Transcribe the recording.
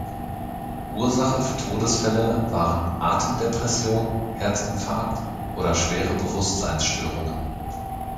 Ursache für Todesfälle waren Atemdepression, Herzinfarkt oder schwere Bewusstseinsstörungen.